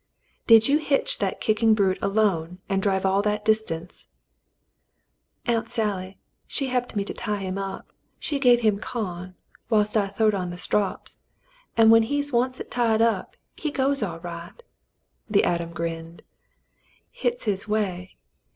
"Did you hitch that kicking brute alone and drive all that distance V "Aunt Sally, she he'ped me to tie up; she give him co'n whilst I th'owed on the strops, an' when he's oncet tied up, he goes all right." The atom grinned. "Hit's his way.